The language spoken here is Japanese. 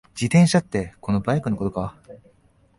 自転車ってこのバイクのことか？